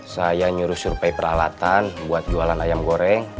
saya nyuruh survei peralatan buat jualan ayam goreng